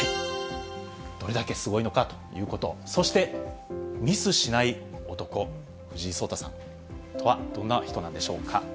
どれだけすごいのかということ、そしてミスしない男、藤井聡太さんとはどんな人なんでしょうか。